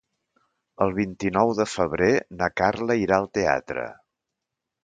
El vint-i-nou de febrer na Carla irà al teatre.